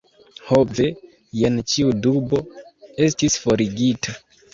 Ho ve, jen ĉiu dubo estis forigita.